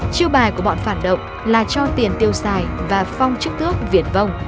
chiêu bài của bọn phản động là cho tiền tiêu xài và phong chức thước việt vong